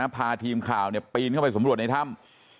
พาทีมข่าวปีนเข้าไปสำรวจในถ้ำ